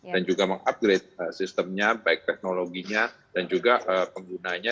dan juga mengupgrade sistemnya baik teknologinya dan juga penggunanya